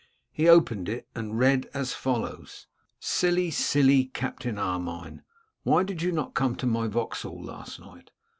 He opened it, and read as follows: 'Silly, silly Captain Armine! why did you not come to my Vauxhall last night?